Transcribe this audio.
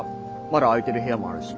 まだ空いてる部屋もあるし。